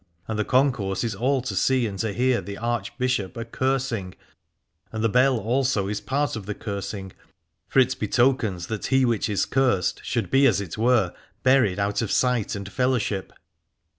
And the concourse is all to see and to hear the Archbishop a cursing, and the bell also is part of the cursing, for it betokens that he which is cursed should be as it were buried out of sight and fellowship.